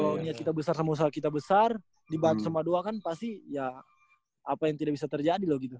kalau niat kita besar sama usaha kita besar dibantu sama doa kan pasti ya apa yang tidak bisa terjadi loh gitu